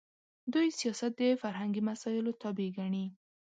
دوی سیاست د فرهنګي مسایلو تابع ګڼي.